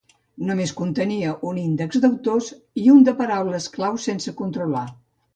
Només contenia un índex d'autors i un de paraules clau sense controlar.